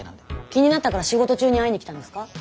気になったから仕事中に会いに来たんですか？